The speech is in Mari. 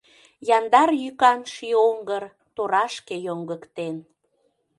Яндар йӱкан ший оҥгыр Торашке йоҥгыктен.